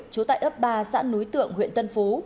trú tại ấp ba xã núi tượng huyện tân phú